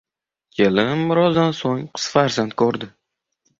Kelin birozdan so`ng qiz farzand ko`rdi